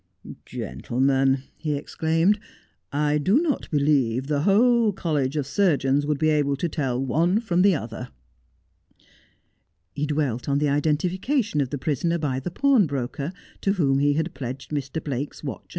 ' Gentlemen,' he exclaimed, ' I do not believe the whole College of Surgeons would be able to tell one from the other.' He dwelt on the identification of the prisoner by the pawn broker to whom he had pledged Mr. Blake's watch a.